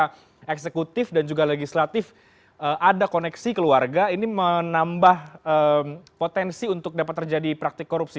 karena eksekutif dan juga legislatif ada koneksi keluarga ini menambah potensi untuk dapat terjadi praktik korupsi